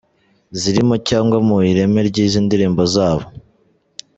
zirimo cyangwa mu ireme ryizi ndirimbo zabo.